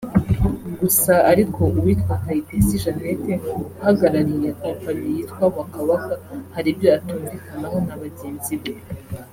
Gusa ariko uwitwa Kayitesi Jeannette uhagarariye kompanyi yitwa Waka Waka hari ibyo atumvikanaho na bagenzi be